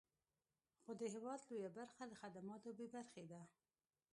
خو د هېواد لویه برخه له خدماتو بې برخې ده.